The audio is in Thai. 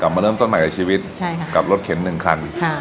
มาเริ่มต้นใหม่กับชีวิตใช่ค่ะกับรถเข็นหนึ่งคัน